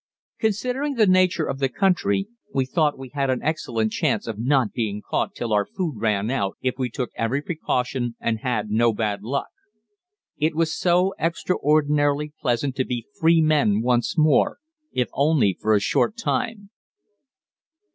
Considering the nature of the country, we thought we had an excellent chance of not being caught till our food ran out, if we took every precaution and had no bad luck. It was so extraordinarily pleasant to be free men once more, if only for a short time.